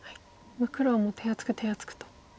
黒はもう手厚く手厚くと。